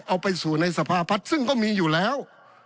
เอาไปสู่ในสภาพัฒน์ซึ่งก็มีอยู่แล้ว